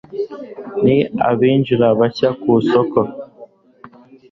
n abinjira bashya ku isoko